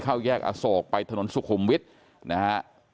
เข้าแยกอโศกไปถนนสุขุมวิทย์นะฮะ